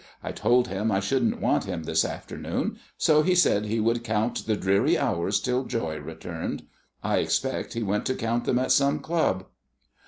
"I told him I shouldn't want him this afternoon, so he said he would count the dreary hours till joy returned. I expect he went to count them at some club."